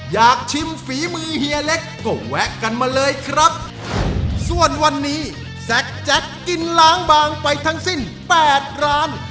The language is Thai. อยากชิมฝีมือเฮียเล็กก็แวะกันมาเลยครับส่วนวันนี้แซ็กแจ็คกินล้างบางไปทั้งสิ้นแปดร้าน